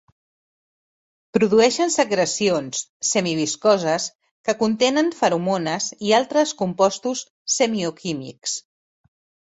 Produeixen secrecions semi-viscoses que contenen feromones i altres compostos semioquímics.